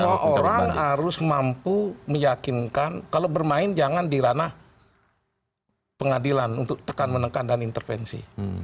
semua orang harus mampu meyakinkan kalau bermain jangan di ranah pengadilan untuk tekan menekan dan intervensi